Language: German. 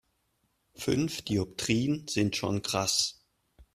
Fünf Dioptrien sind schon krass.